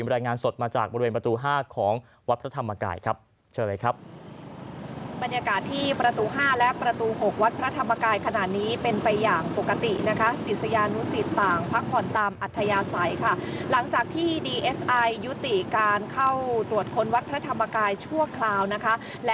บรรยายงานสดมาจากบริเวณประตู๕ของวัดพระธรรมกาย